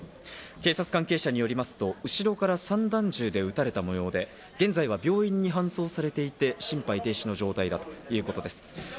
警察関係者によりますと、後ろから散弾銃で撃たれた模様で、現在は病院に搬送されていて心肺停止の状態だということです。